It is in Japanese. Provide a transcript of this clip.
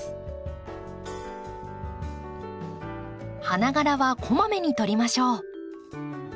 花がらはこまめに取りましょう。